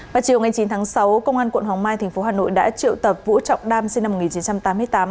vào chiều ngày chín tháng sáu công an quận hoàng mai tp hà nội đã triệu tập vũ trọng đam sinh năm một nghìn chín trăm tám mươi tám